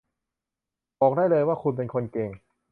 บอกได้เลยว่าคุณเป็นคนเก่ง